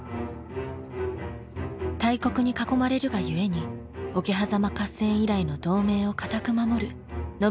大国に囲まれるがゆえに桶狭間合戦以来の同盟を堅く守る信長と家康。